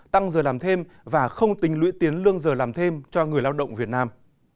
tăng giờ làm thêm và không tính lưỡi tiến lương giờ làm thêm cho người lao động việt nam